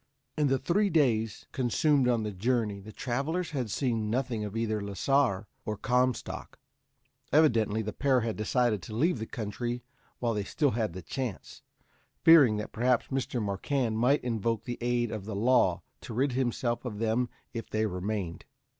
In the three days consumed on the journey, the travelers had seen nothing of either Lasar or Comstock. Evidently the pair had decided to leave the country while they still had the chance, fearing that perhaps Mr. Marquand might invoke the aid of the law to rid himself of them if they remained.